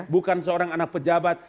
bukan seorang anak pejabat